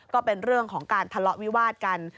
ก็เป็นเรื่องของการทะเลาะวิวาดกัน